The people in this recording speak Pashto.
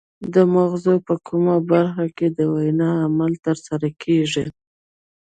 د مغزو په کومه برخه کې د وینا عمل ترسره کیږي